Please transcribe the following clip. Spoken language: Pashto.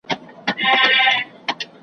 هر وړوکی يې دريادی .